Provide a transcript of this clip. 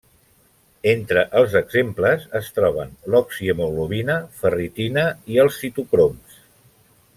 Entre els exemples es troben l'oxihemoglobina, ferritina, i els citocroms.